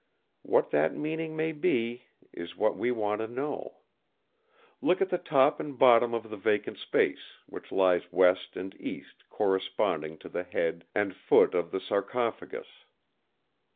What that meaning may be is what we want to know. Look at the top and bottom of the vacant space, which lies West and East corresponding to the head and foot of the sarcophagus.